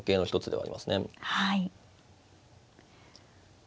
はい。